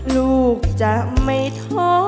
ลูกจะไม่ท้อ